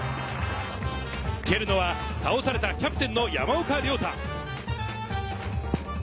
蹴るのは倒されたキャプテンの山岡亮太。